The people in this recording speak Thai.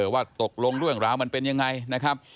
ว่าตกลงเรื่องราวมันเป็นยังไงนะครับ